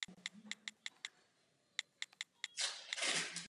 Uvedení videoklipu k albu je naplánováno na konec října.